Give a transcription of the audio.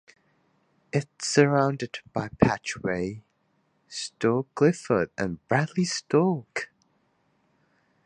It is surrounded by Patchway, Stoke Gifford and Bradley Stoke.